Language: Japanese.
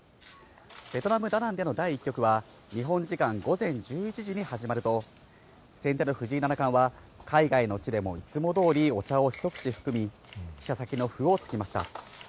ベトナム・ダナンでの第１局は、日本時間午前１１時に始まると、先手の藤井七冠は、海外の地でもいつもどおりお茶を一口含み、飛車先の歩をつきました。